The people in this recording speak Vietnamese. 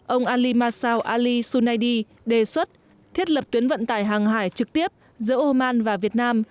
ông ali masao ali sunady đề xuất thiết lập tuyến vận tải hàng hải trực tiếp giữa oman và việt nam